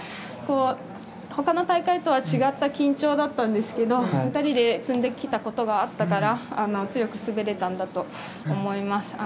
ほかの大会とは違った緊張だったんですけど２人で積んできたことがあったから強く滑れたんだと思います。